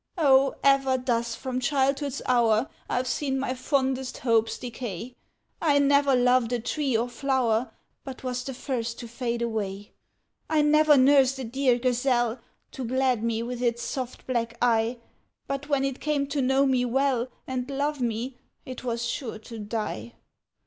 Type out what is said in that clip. O, ever thus, from childhood's hour, I've seen my fondest hopes decay; I never loved a tree or flower But 't was the first to fade away. I never nursed a dear gazelle, To glad me with its soft black eye, But when it came to know me well, And love me, it was sure to die!